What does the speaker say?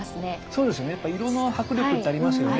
そうですよねやっぱ色の迫力ってありますよね。